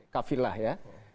empat kafilah ya